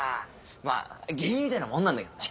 まぁ芸人みたいなもんなんだけどね。